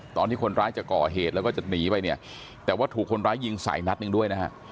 ตอนที่คนร้ายจะก่อเหตุแล้วก็จะหนีไปเนี่ยแต่ว่าถูกคนร้ายยิงใส่นัดหนึ่งด้วยนะฮะ